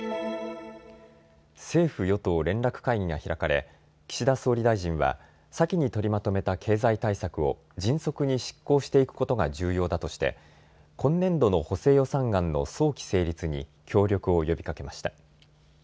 政府与党連絡会議が開かれ岸田総理大臣は先に取りまとめた経済対策を迅速に執行していくことが重要だとして今年度の補正予算案の早期成立に協力を呼びかけました。